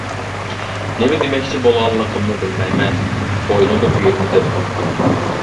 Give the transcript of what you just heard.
نېمە دېمەكچى بولغانلىقىمنى بىلمەيمەن، ئويلىنىپ يۈرمىدىم.